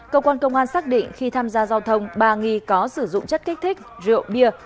cơ quan công an xác định khi tham gia giao thông ba nghi có sử dụng chất kích thích rượu bia